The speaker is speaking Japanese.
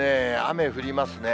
雨降りますね。